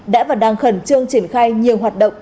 đã và đang khẩn trương triển khai nhiều hoạt động